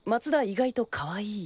意外とかわいい。